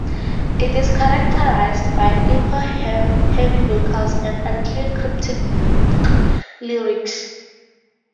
It is characterized by echo-heavy vocals and unclear cryptic lyrics.